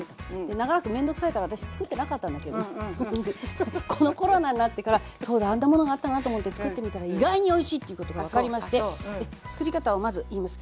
長らく面倒くさいから私作ってなかったんだけどこのコロナになってから「そうだあんなものがあったな」と思って作ってみたら意外においしいっていうことが分かりまして作り方をまず言います。